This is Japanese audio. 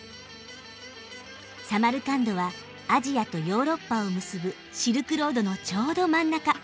サマルカンドはアジアとヨーロッパを結ぶシルクロードのちょうど真ん中。